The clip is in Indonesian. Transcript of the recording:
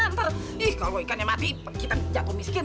ntar ih kalau ikannya mati kita jatuh miskin